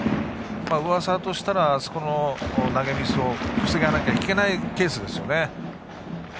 上沢としたらあそこの投げミスを防がなきゃいけないケースです。